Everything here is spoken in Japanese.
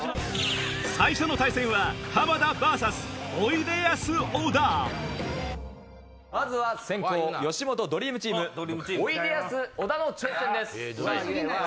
最初の対戦はまずは先攻吉本ドリームチームおいでやす小田の挑戦です。